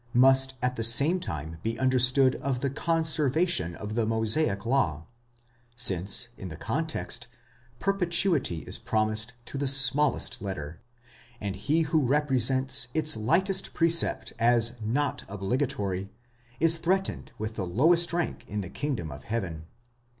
must at the same time be understood of the conservation of the Mosaic law,, since in the context, perpetuity is promised to its smallest letter, and he who represents its lightest precept as not obligatory, is threatened with the lowest rank in the kingdom of heaven.